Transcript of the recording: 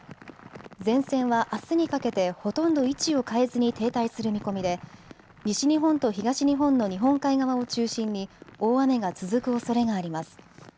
前線はあすにかけてほとんど位置を変えずに停滞する見込みで西日本と東日本の日本海側を中心に大雨が続くおそれがあります。